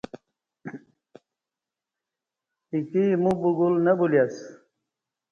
ایکی ایمو بگول نہ بولی اسہ